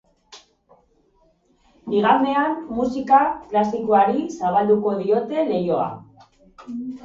Igandean musika klasikoari zabalduko diote leihoa.